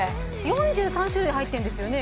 ４３種類入ってんですよね？